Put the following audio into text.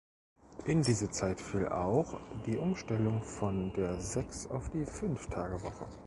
In diese Zeit fiel auch die Umstellung von der Sechs- auf die Fünftagewoche.